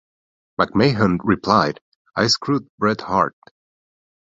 McMahon replied, I screwed Bret Hart.